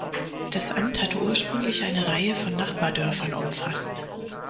Das Amt hatte ursprünglich eine Reihe von Nachbardörfern umfasst.